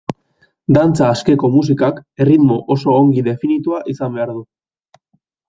Dantza askeko musikak erritmo oso ongi definitua izan behar du.